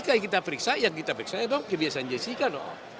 jessica yang kita periksa yang kita periksa itu kebiasaan jessica dong